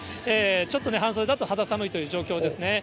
ちょっとね、半袖だと肌寒いという状況ですね。